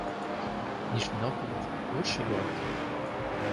Нижний Новгород — лучший город